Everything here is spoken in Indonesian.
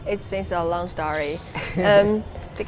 ini adalah cerita yang panjang